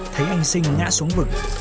thấy anh sinh ngã xuống vực